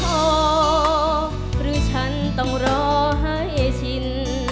อ๋อหรือฉันต้องรอให้ชิน